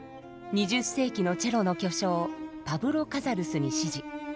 ２０世紀のチェロの巨匠パブロ・カザルスに師事。